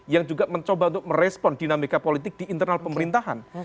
yang juga mencoba untuk merespon dinamika politik di internal pemerintahan